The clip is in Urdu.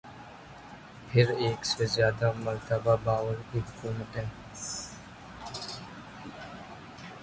پھر ایک سے زیادہ مرتبہ باوردی حکومتیں۔